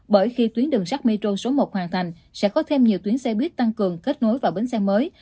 bởi khi tuyến đường sắt metro số một hoàn thành sẽ có thêm nhiều tuyến xe buýt tăng cường kết nối vào bến xe mới